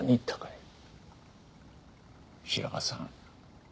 平賀さん。